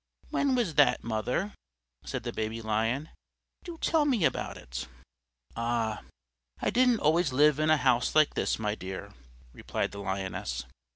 "When was that, mother?" said the baby Lion. "Do tell me about it." "Ah, I didn't always live in a house like this, my dear," replied the Lioness.